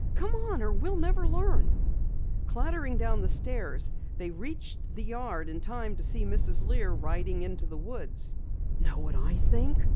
"Come on, or we'll never learn!" Clattering down the stairs, they reached the yard in time to see Mrs. Lear riding into the woods. "Know what I think?"